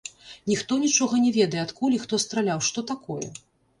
Ніхто нічога не ведае, адкуль і хто страляў, што такое?